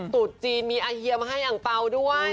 ตุ๊ดจีนมีอาเฮียมาให้อังเปล่าด้วย